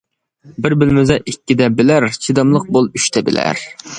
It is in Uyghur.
بىر بىلمىسە ئىككىدە بىلەر، چىداملىق بول ئۈچتە بىلەر.